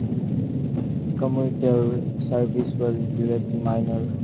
Commuter service was relatively minor.